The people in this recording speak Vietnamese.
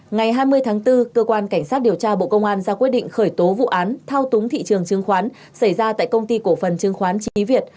ngày hai mươi tháng bốn cơ quan cảnh sát điều tra bộ công an ra quyết định khởi tố vụ án thao túng thị trường chứng khoán xảy ra tại công ty cổ phần trương khoán trí việt